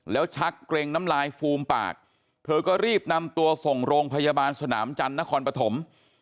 แล้วชักเกร็งน้ำลายฟูมปากเธอก็รีบนำตัวส่งโรงพยาบาลสนามจันทร์นครปฐม